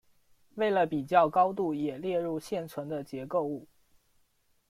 为了比较高度也列入现存的结构物。